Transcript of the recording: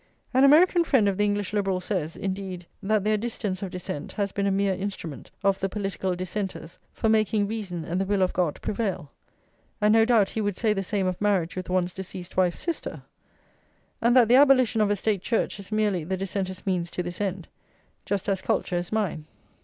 An American friend of the English liberals says, indeed, that their Dissidence of Dissent has been a mere instrument of the political Dissenters for making reason and the will of God prevail (and no doubt he would say the same of marriage with one's deceased wife's sister); and that the abolition of a State Church is merely the Dissenter's means to this end, just as culture is mine.